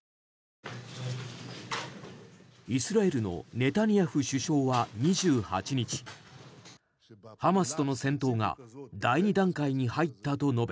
イスラエルのネタニヤフ首相は２８日ハマスとの戦闘が第２段階に入ったと述べ